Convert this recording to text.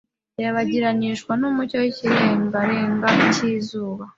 irabagiranishwa n'umucyo w'ikirengarenga cy'izuba